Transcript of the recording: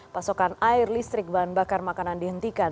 pasokan air listrik bahan bakar makanan dihentikan